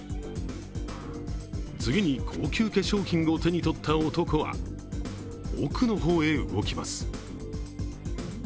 次に高級化粧品を手に取った男は奥の方へ動きます。